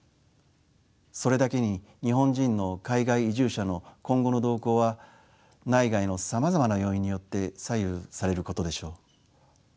それだけに日本人の海外移住者の今後の動向は内外のさまざまな要因によって左右されることでしょう。